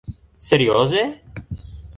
Serioze?